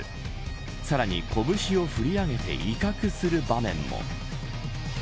さらに、こぶしを振り上げて威嚇する場面も。